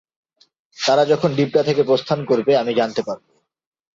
তারা যখন দ্বীপটা থেকে প্রস্থান করবে আমি জানতে পারবো।